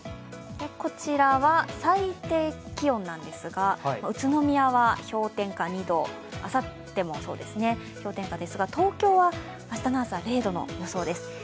こちらは最低気温なんですが、宇都宮は氷点下２度、あさっても氷点下ですが、東京は明日の朝、０度の予想です。